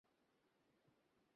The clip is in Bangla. নিসার আলি তাকালেন তিন্নির দিকে।